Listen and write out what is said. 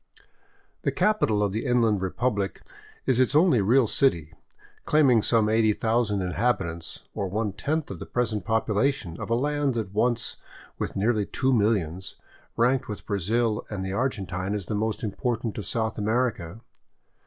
The capital of the Inland Republic is its only real city, claiming some eighty thousand inhabitants, or one tenth the present population of a land that once, with nearly two millions, ranked with Brazil and the Argentine as the most important of South America.